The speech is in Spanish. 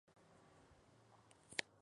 En Chiapa de Corzo.